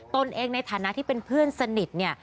ตนเองในฐานะที่เป็นเพื่อนสนิทเนี่ย